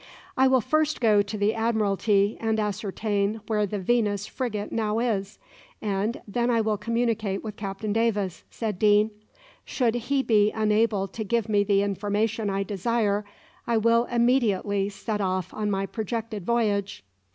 "I will first go to the Admiralty and ascertain where the `Venus' frigate now is, and then I will communicate with Captain Davis," said Deane. "Should he be unable to give me the information I desire, I will immediately set off on my projected voyage."